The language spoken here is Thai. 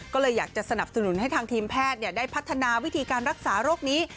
ก็เลยอยากจะสนับสนุนให้ทางทีมแพทย์ได้พัฒนาวิธีการรักษาโรคนี้